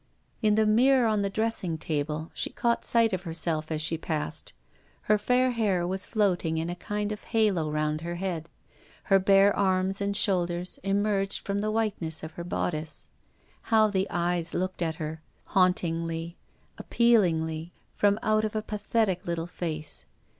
In the mirror on the dressing table she caught sight of herself as she passed. Her fair hair was floating in a kind of halo round her head; her bare arms and shoulders emerged from the whiteness of her bodice. How the eyes looked at her — hauntingly, appealingly — from out of a pathetic little face.